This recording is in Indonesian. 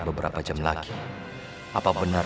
beberapa jam lagi apa benar